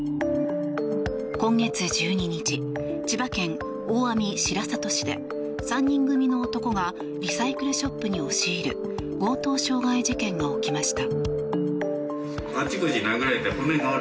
今月１２日千葉県大網白里市で３人組の男がリサイクルショップに押し入る強盗傷害事件が起きました。